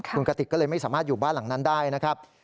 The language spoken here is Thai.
คุณกติกก็เลยไม่สามารถอยู่บ้านหลังนั้นได้นะครับ